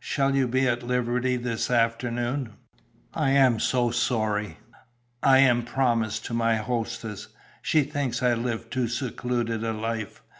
Shall you be at liberty this afternoon?" "I am so sorry. I am promised to my hostess. She thinks I live too secluded a life.